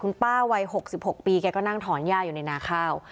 คุณป้าวัย๖๖ปีแกก็นั่งถอนย่าอยู่ในนาข้าว